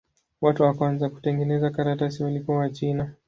Watu wa kwanza kutengeneza karatasi walikuwa Wachina.